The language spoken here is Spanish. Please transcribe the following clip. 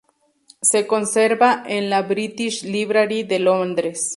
Se conserva en la British Library de Londres.